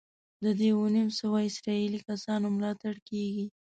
د دې اووه نیم سوه اسرائیلي کسانو ملاتړ کېږي.